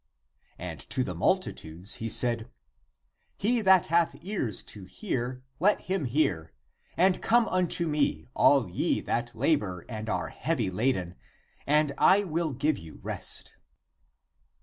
^ And to the multitudes he said, He 1 Mark Vni, 18. ACTS OF THOMAS 295 that hath ears to hear, let him hear ;^ And, come unto me, all ye that labor and are heavy laden, and I will give you rest."